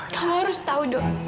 kamu harus tahu do